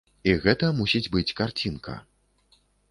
І гэта мусіць быць карцінка.